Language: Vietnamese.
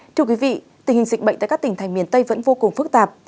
thưa quý vị tình hình dịch bệnh tại các tỉnh thành miền tây vẫn vô cùng phức tạp